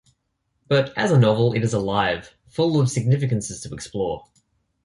But as a novel it is alive, full of significances to explore.